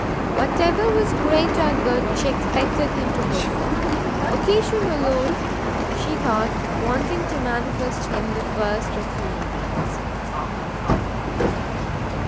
Whatever was great or good she expected him to perform; occasion alone she thought wanting to manifest him the first of human beings.